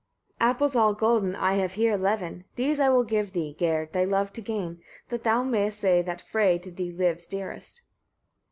19. Apples all golden I have here eleven: these I will give thee, Gerd, thy love to gain, that thou mayest say that Frev to thee lives dearest.